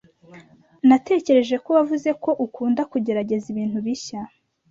Natekereje ko wavuze ko ukunda kugerageza ibintu bishya.